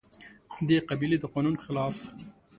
د قبيلې د قانون خلاف